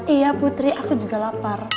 iya putri aku juga lapar